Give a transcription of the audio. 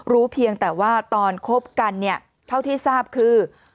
รู้เพียงแต่ว่าตอนคบกันเท่าที่ทราบคือ